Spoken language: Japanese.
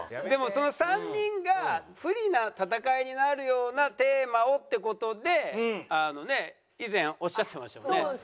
でもその３人が不利な戦いになるようなテーマをって事であのね以前おっしゃってましたもんね。